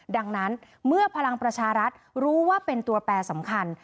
ดังนั้นเมื่อพลังประชารัฐรู้ว่าเป็นตัวแปรสำคัญ